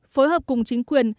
phối hợp cùng chính quyền